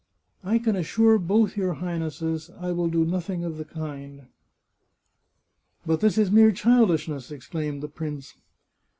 " I can assure both your Highnesses I will do nothing of the kind." " But this is mere childishness !" exclaimed the prince.